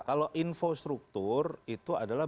kalau infrastruktur itu adalah